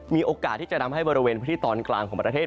มีโอกาสที่จะทำให้บริเวณพื้นที่ตอนกลางของประเทศ